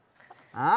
ああ。